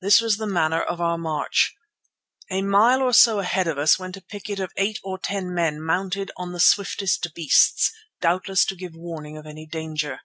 This was the manner of our march: A mile or so ahead of us went a picket of eight or ten men mounted on the swiftest beasts, doubtless to give warning of any danger.